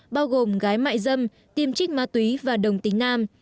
bao gồm gái mại dâm tiêm trích ma túy và đồng tính nam